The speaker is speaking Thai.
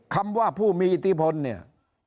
คำว่าผู้มีอิทธิพลเนี่ย